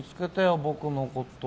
僕のこと。